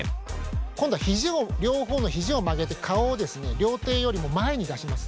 今度は肘を両方の肘を曲げて顔を両手よりも前に出します。